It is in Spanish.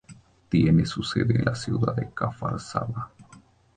Tiene su sede en la ciudad de Kfar Saba.